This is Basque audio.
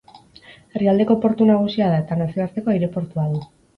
Herrialdeko portu nagusia da, eta nazioarteko aireportua du.